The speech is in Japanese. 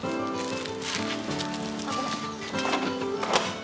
あっごめん。